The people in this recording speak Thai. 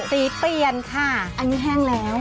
สีเปลี่ยนค่ะอันนี้แห้งแล้ว